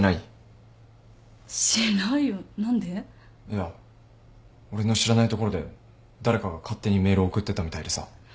いや俺の知らないところで誰かが勝手にメール送ってたみたいでさ。